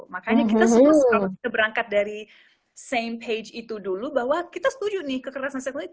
makanya kita semua kalau kita berangkat dari same page itu dulu bahwa kita setuju nih kekerasan seksual itu